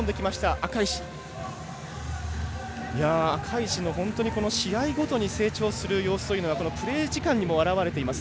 赤石の試合ごとに成長する様子がプレー時間にも表れています。